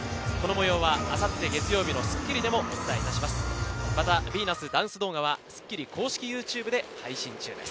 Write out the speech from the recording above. この模様は明後日月曜日の『スッキリ』でもお伝えします。